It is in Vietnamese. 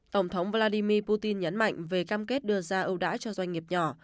tổng thống vladimir putin nhấn mạnh về cam kết đưa ra ưu đãi cho doanh nghiệp nhỏ